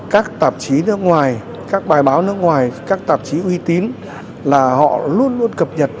các tạp chí nước ngoài các bài báo nước ngoài các tạp chí uy tín là họ luôn luôn cập nhật